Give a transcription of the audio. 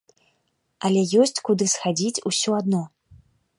Але ёсць куды схадзіць усё адно.